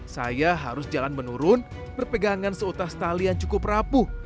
saya harus jalan menurun berpegangan seutas tali yang cukup rapuh